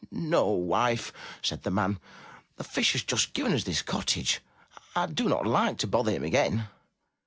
'*No, wife," said the man, ''the Fish has just given us this cottage. I do not like to bother him again."